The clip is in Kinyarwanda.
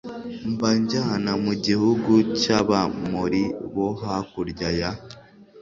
Mbajyana mu gihugu cy Abamori bo hakurya ya